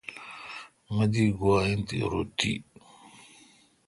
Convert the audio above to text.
مہ دی گوا این تہ رو تی۔